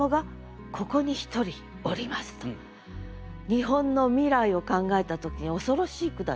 日本の未来を考えた時に恐ろしい句だよ。